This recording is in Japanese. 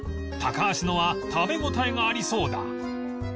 高橋のは食べ応えがありそうだ